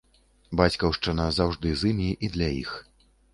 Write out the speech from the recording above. Бацькаўшчына заўжды з імі і для іх.